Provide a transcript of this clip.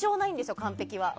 完璧は。